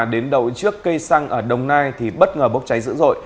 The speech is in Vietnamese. đến đầu trước cây xăng ở đồng nai thì bất ngờ bốc cháy dữ dội